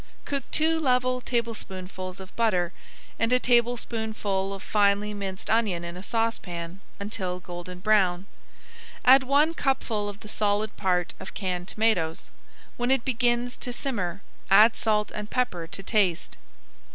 Cook two level tablespoonfuls of butter and a tablespoonful of finely minced onion in a saucepan until golden brown. Add one cupful of the solid part of canned tomatoes. When it begins to simmer, add salt and pepper to taste.